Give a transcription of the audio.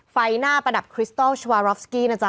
ไฟหน้าประดับคริสตอลชาวารอฟสกี้นะจ๊